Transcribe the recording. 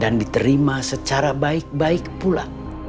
dan diterima secara baik baik pula